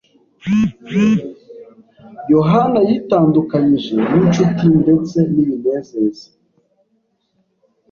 Yohana yitandukanyije n’incuti ndetse n’ibinezeza